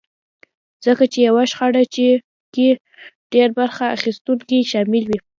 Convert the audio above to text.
ځکه چې يوه شخړه کې ډېر برخه اخيستونکي شامل وي.